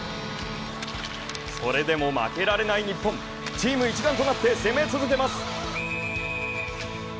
それでも負けられない日本、チーム一丸となって、攻め続けます！